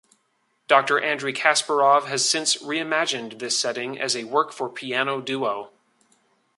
Doctor Andrey Kasparov has since re-imagined this setting as a work for piano duo.